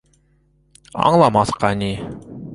Аңламаҫҡа ни...